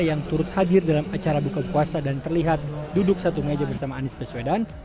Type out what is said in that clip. yang turut hadir dalam acara buka puasa dan terlihat duduk satu meja bersama anies baswedan